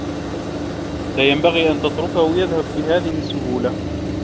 لا ينبغي أن تتركه يذهب بهذه السّهولة.